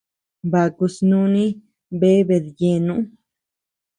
Baku snuni bea bedyeno.